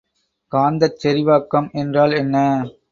காந்தச் செறிவாக்கம் என்றால் என்ன?